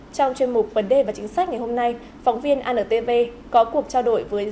trong chuyên mục vấn đề và chính sách ngày hôm nay phóng viên antv có cuộc trao đổi với giáo viên